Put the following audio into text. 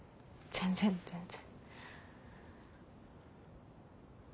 全然全然。